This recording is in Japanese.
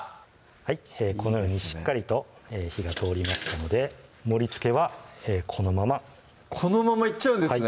このようにしっかりと火が通りましたので盛りつけはこのままこのままいっちゃうんですね